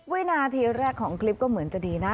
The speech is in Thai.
วินาทีแรกของคลิปก็เหมือนจะดีนะ